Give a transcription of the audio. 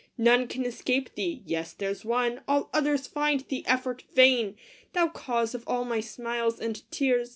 None can escape thee yes there s one All others find the effort vain : Thou cause of all my smiles and tears